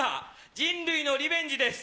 人類のリベンジです。